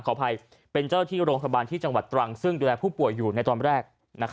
ขออภัยเป็นเจ้าที่โรงพยาบาลที่จังหวัดตรังซึ่งดูแลผู้ป่วยอยู่ในตอนแรก